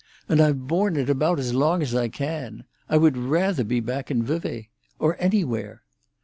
And I've borne it about as long as I can. I would rather be back in Vevay. Or anywhere."